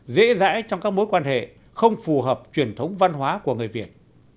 dễ dãi trong các mối quan hệ không phù hợp truyền thống văn hóa của người việt